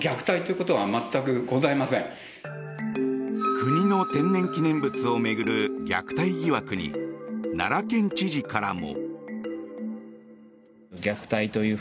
国の天然記念物を巡る虐待疑惑に奈良県知事からも。